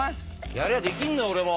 やりゃできんの俺も。